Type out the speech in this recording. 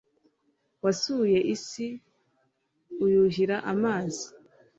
wasuye isi, uyuhira amazi